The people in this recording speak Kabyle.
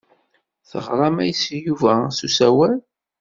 Teɣram-as i Yuba s usawal.